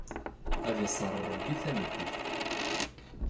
Ad iṣṣer Ṛebbi tameddit!